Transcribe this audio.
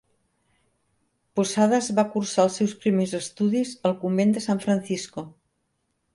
Posadas va cursar els seus primers estudis al convent de San Francisco.